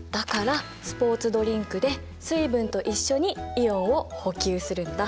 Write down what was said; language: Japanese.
だからスポーツドリンクで水分と一緒にイオンを補給するんだ。